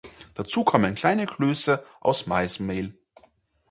Dazu kommen kleine Klöße aus Maismehl.